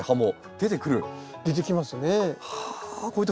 出てきますね。